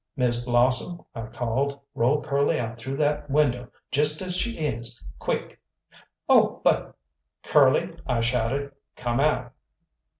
"Miss Blossom," I called, "roll Curly out through that window just as she is. Quick!" "Oh, but " "Curly," I shouted, "come out!"